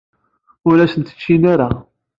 Ur asen-t-ččin ara.